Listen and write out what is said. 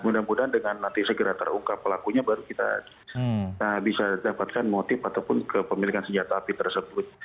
mudah mudahan dengan nanti segera terungkap pelakunya baru kita bisa dapatkan motif ataupun kepemilikan senjata api tersebut